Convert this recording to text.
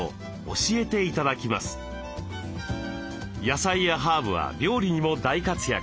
野菜やハーブは料理にも大活躍。